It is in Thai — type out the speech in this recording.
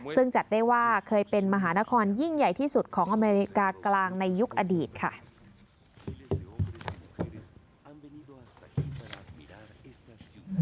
ซึ่งจัดได้ว่าเคยเป็นมหานครยิ่งใหญ่ที่สุดของอเมริกากลางในยุคอดีตค่ะ